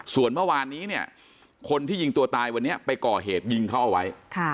ส่วนเมื่อวานนี้เนี่ยคนที่ยิงตัวตายวันนี้ไปก่อเหตุยิงเขาเอาไว้